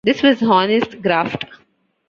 This was honest graft.